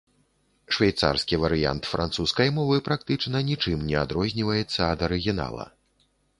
Швейцарскі варыянт французскай мовы практычна нічым не адрозніваецца ад арыгінала.